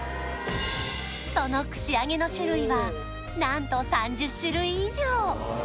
その串揚げの種類は何と３０種類以上！